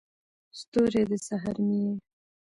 ستوری، د سحر مې یې